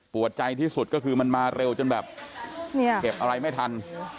ใจที่สุดก็คือมันมาเร็วจนแบบเก็บอะไรไม่ทัน